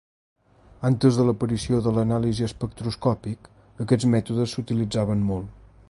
Antes de l"aparició de l"anàlisi espectroscòpic, aquests mètodes s"utilitzaven molt.